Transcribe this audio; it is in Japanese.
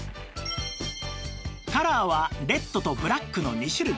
カラーはレッドとブラックの２種類